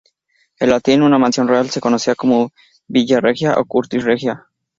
En latín, una mansión real se conocía como "villa regia" o "curtis regia.